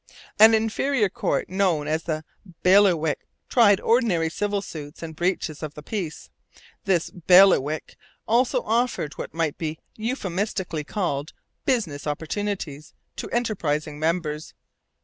An inferior court known as the bailiwick tried ordinary civil suits and breaches of the peace. This bailiwick also offered what might be euphemistically called 'business opportunities' to enterprising members.